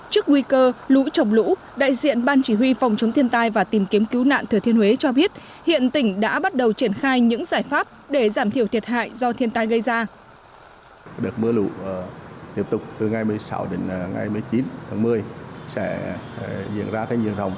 trước nguy cơ lũ trồng lũ đại diện ban chỉ huy phòng chống thiên tai và tìm kiếm cứu nạn thừa thiên huế cho biết hiện tỉnh đã bắt đầu triển khai những giải pháp để giảm thiểu thiệt hại do thiên tai gây ra